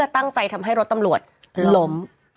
ตั้งใจทำให้รถตำรวจล้ม